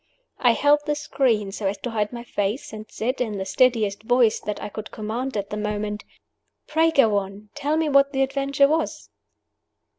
I held the screen so as to hide my face; and I said, in the steadiest voice that I could command at the moment, "Pray go on! pray tell me what the adventure was!"